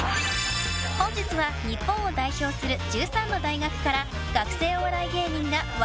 本日は、日本を代表する１３の大学から学生お笑い芸人が笑